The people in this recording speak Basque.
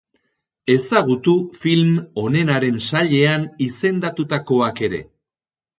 Ezagutu film onenaren sailean izendatutakoak ere.